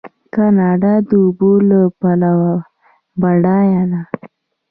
کاناډا د اوبو له پلوه بډایه ده.